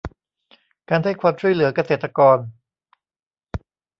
การให้ความช่วยเหลือเกษตรกร